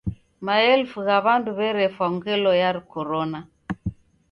Maelfu gha w'andu w'erefwa ngelo ya Korona.